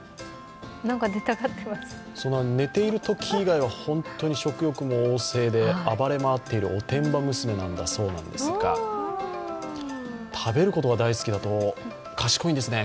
寝ているとき以外は本当に食欲旺盛で暴れ回っている、おてんば娘なんだそうですが、食べることが大好きだと賢いんですね